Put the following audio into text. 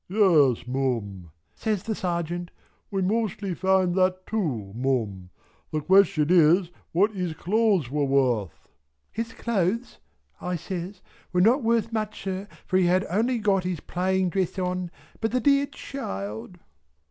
"Yes Mum" says the sergeant, "we mostly find that too Mum. The question is what his clothes were worth." "His clothes" I says "were not worth much sir for he had only got his playing dress on, but the dear child!